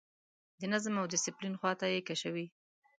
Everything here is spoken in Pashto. د نظم او ډسپلین خواته یې کشوي.